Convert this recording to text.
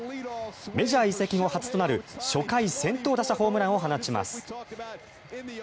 メジャー移籍後初となる初回先頭打者ホームランを放ちます。